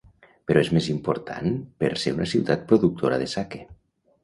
Però és més important per ser una ciutat productora de sake.